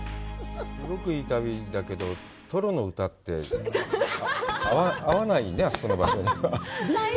すごくいい旅だけど、トロの歌って合わないね、あそこの場所に。